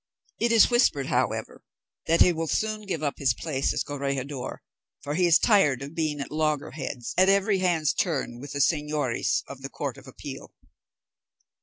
It is whispered, however, that he will soon give up his place as corregidor, for he is tired of being at loggerheads at every hand's turn with the señores of the court of appeal."